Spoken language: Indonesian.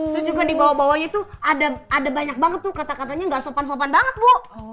terus juga di bawah bawahnya tuh ada banyak banget tuh kata katanya gak sopan sopan banget bu